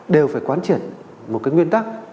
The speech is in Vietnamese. đều phải quán triển một cái nguyên tắc